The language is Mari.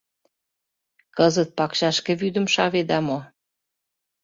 — Кызыт пакчашке вӱдым шаведа мо?